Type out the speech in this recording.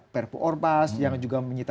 perpu ormas yang juga menyita